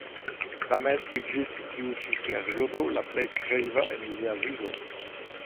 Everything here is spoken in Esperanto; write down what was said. Tamen iĝis tiu ĉi periodo la plej kreiva en lia vivo.